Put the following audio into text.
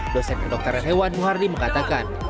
dosen pendokteran hewan muharrem mengatakan